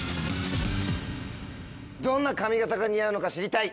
どんな髪形が似合うのか知りたい！